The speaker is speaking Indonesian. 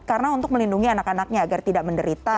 karena untuk melindungi anak anaknya agar tidak menderita